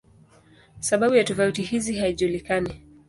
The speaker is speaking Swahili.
Sababu ya tofauti hizi haijulikani.